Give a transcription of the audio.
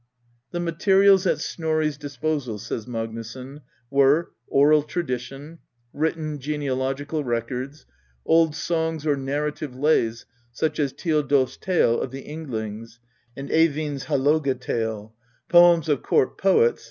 "The materials at Snorri's disposal," says Magnusson,^ "were: oral tradition; written genealogical records; old songs or narrative lays such as ThiodolPs Tale^ of the Ynglingsand Eyvind's HalogaTale; poems of court poets